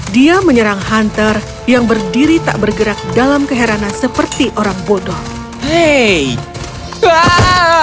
dia menyerang hunter yang berdiri tak bergerak dalam keheranan seperti orang bodoh hei